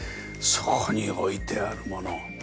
そこに置いてあるもの。